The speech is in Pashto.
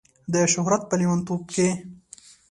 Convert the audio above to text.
د شهرت په لیونتوب کې